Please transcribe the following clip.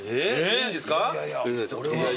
いいですか？